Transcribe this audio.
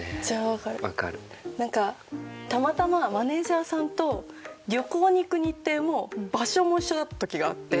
なんかたまたまマネージャーさんと旅行に行く日程も場所も一緒だった時があって。